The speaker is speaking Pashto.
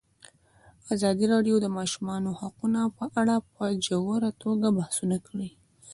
ازادي راډیو د د ماشومانو حقونه په اړه په ژوره توګه بحثونه کړي.